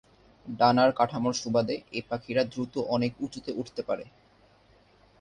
ডানার কাঠামোর সুবাদে এ পাখিরা দ্রুত অনেক উঁচুতে উঠতে পারে।